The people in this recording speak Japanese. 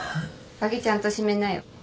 鍵ちゃんと閉めなよ。